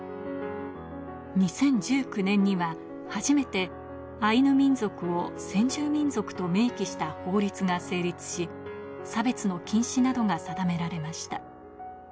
２０１９年には初めてアイヌ民族を先住民族と明記した法律が成立し、差別の禁止などが定められました。